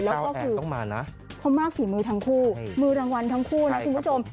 แล้วก็คือต้องมานะเขามากฝีมือทั้งคู่มือรางวัลทั้งคู่นะคุณผู้ชม